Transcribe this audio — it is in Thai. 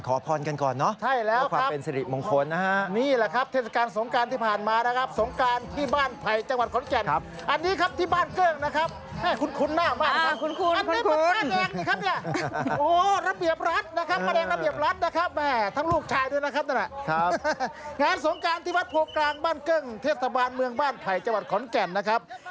ขอพรกันก่อนเนอะ